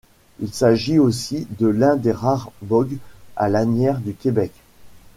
Il s'agit aussi de l'un des rares bog à lanières du Québec.